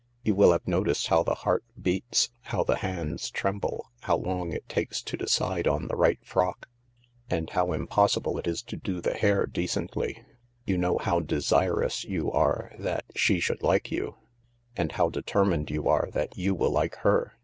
You will have noticed how the heart beats, how the hands tremble, how long it takes to decide on the right frock, and how impossible it is to do the hair decently. You know how desirous you are that she should like you, and how determined you are that you will like her.